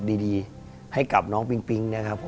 ดีให้กับน้องปิ๊งปิ๊งนะครับผม